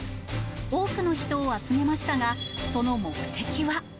多くの人を集めましたが、その目的は。